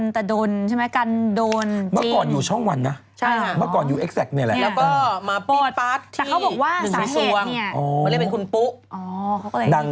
อ๋อเขาก็เลยบอกเมื่อตอนนั้น